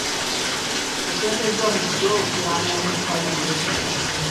Oteekeddwa bulijjo okuyamba omuntu ali mu bwetaavu.